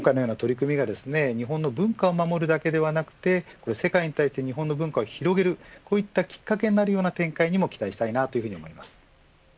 今回のような取り組みが日本の文化を守るだけではなくて世界に対して日本の文化を広げるといったきっかけになるような展開にも期待したいです。